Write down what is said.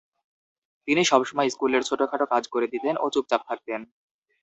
তিনি সবসময় স্কুলের ছোটখাটো কাজ করে দিতেন ও চুপচাপ থাকতেন।